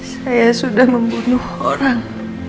saya sudah membunuh orang